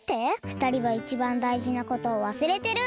ふたりはいちばんだいじなことをわすれてる。